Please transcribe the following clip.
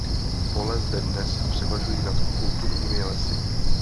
Pole zde dnes převažují nad kulturními lesy.